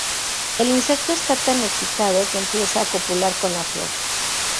El insecto está tan excitado que empieza a copular con la flor.